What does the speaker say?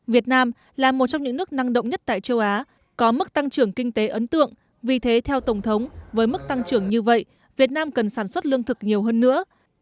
việt nam là một trong những nước năng động nhất tại châu á có mức tăng trưởng kinh tế ấn tượng vì thế theo tổng thống với mức tăng trưởng như vậy việt nam cần sản xuất lương thực nhiều hơn nữa